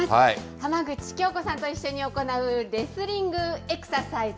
浜口京子さんと一緒に行うレスリングエクササイズ。